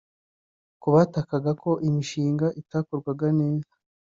Ku batakaga ko imishinga itakorwaga neza